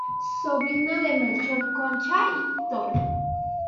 Sobrino de Melchor Concha y Toro.